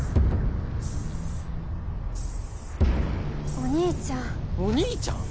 お兄ちゃんお兄ちゃん